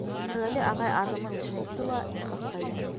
Тимерғәле ағай аҙымын йышайтты ла, Исхаҡҡа әйләнеп: